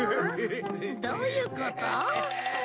どういうこと？